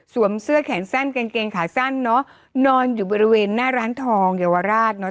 เสื้อแขนสั้นกางเกงขาสั้นเนอะนอนอยู่บริเวณหน้าร้านทองเยาวราชเนอะ